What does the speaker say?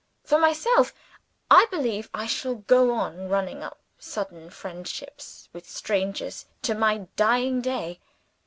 For myself, I believe I shall go on running up sudden friendships with strangers to my dying day.